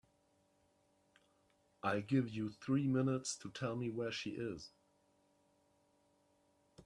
I'll give you three minutes to tell me where she is.